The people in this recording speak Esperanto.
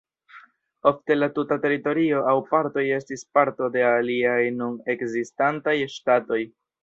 Ofte la tuta teritorio aŭ partoj estis parto de aliaj nun ekzistantaj ŝtatoj.